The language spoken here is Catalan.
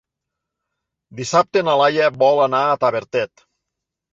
Dissabte na Laia vol anar a Tavertet.